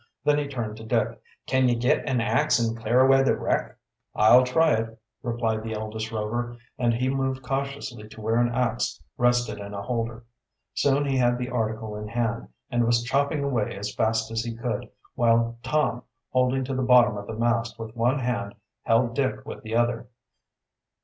Then he turned to Dick: "Can ye git an ax and clear away the wreck?" "I'll try it," replied the eldest Rover, and he moved cautiously to where an ax rested in a holder. Soon he had the article in hand, and was chopping away as fast as he could, while Tom, holding to the bottom of the mast with one hand, held Dick with the other.